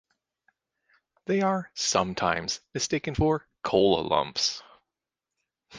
They are sometimes mistaken for coal lumps.